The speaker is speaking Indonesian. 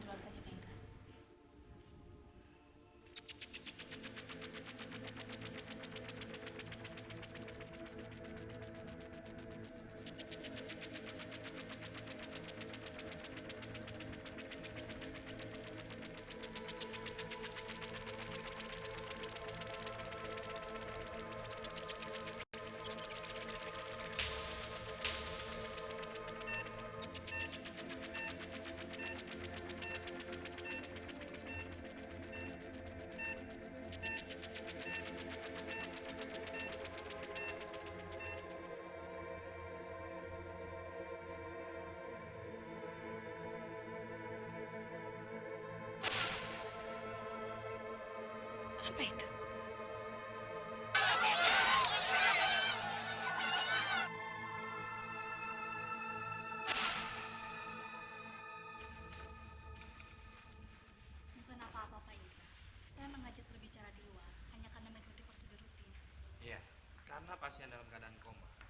m resonan pada barang barang